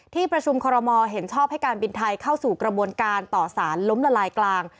ที่ประชุมคอรมอลเห็นชอบให้การบินไทยเข้าสู่กระบวนการต่อสารล้มละลายกลาง